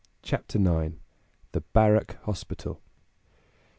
CHAPTER IX. THE BARRACK HOSPITAL.